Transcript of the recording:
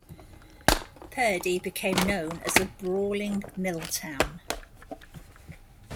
Purdy became known as a "brawling mill town".